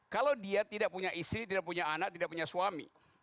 kalau dia tidak punya istri tidak punya anak tidak punya suami